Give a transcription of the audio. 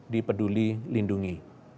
di peduli lindungi